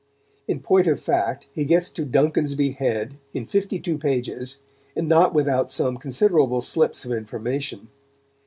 In point of fact, he gets to Duncansby Head in fifty two pages, and not without some considerable slips of information.